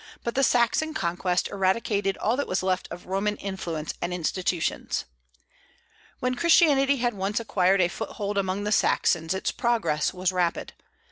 But the Saxon conquest eradicated all that was left of Roman influence and institutions. When Christianity had once acquired a foothold among the Saxons its progress was rapid.